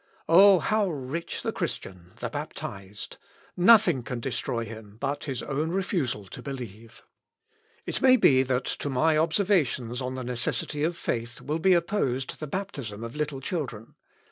Oh, how rich the Christian, the baptized! Nothing can destroy him but his own refusal to believe." [Sidenote: PROGRESS OF THE REFORMATION.] "It may be that, to my observations on the necessity of faith will be opposed the baptism of little children.